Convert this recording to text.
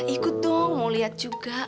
ikut dong mau liat juga